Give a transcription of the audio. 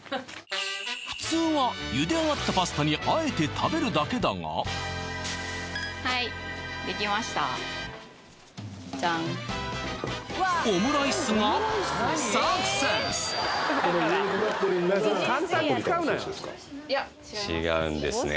普通はゆであがったパスタにあえて食べるだけだがはいできましたジャン違うんですね